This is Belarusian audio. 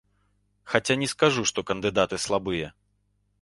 Хаця не скажу, што кандыдаты слабыя.